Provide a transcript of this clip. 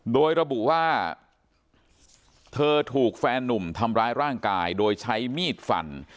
โดยระบุว่าเธอถูกแฟนนุ่มทำร้ายร่างกายโดยใช้มีดฟัน